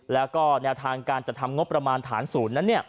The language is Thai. แล้วก็แนวทางการจัดทำงบประมาณฐานศูนย์นั้น